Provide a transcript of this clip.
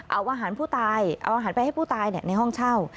เอาอาหารผู้ตายเอาอาหารไปให้ผู้ตายในห้องเช่า